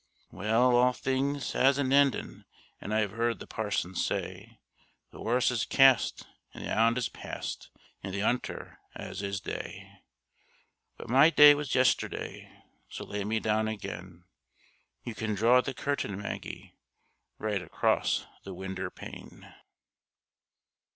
Well, all things 'as an endin', as I've 'eard the parson say, The 'orse is cast, an' the 'ound is past, an' the 'unter 'as 'is day; But my day was yesterday, so lay me down again. You can draw the curtain, Maggie, right across the winder pane.